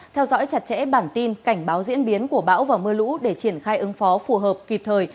theo dõi chặt chẽ bản tin cảnh báo diễn biến của bão và mưa lũ để triển khai ứng phó phù hợp kịp thời